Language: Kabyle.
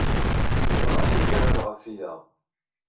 Yebɣa ad yemgerrad ɣef wiyaḍ.